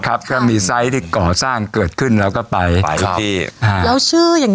ครับถ้ามีที่ก่อสร้างเกิดขึ้นแล้วก็ไปไปที่ครับแล้วชื่ออย่าง